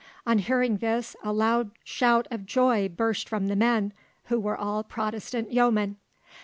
"On hearing this, a loud shout of joy burst from the men, who were all Protestant yeomen.